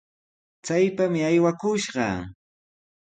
¡Chaypami aywakushqa!